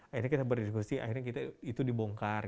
akhirnya kita berdiskusi akhirnya itu dibongkar